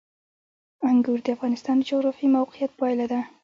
انګور د افغانستان د جغرافیایي موقیعت پایله ده.